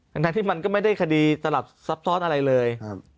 แม้ถึงมันก็ไม่ได้คดีตะลับซับซ้อนอะไรเลย